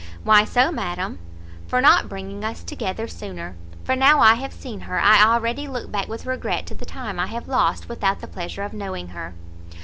"Why so, madam?" "For not bringing us together sooner; for now I have seen her, I already look back with regret to the time I have lost without the pleasure of knowing her."